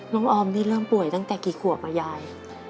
ออมนี่เริ่มป่วยตั้งแต่กี่ขวบอ่ะยาย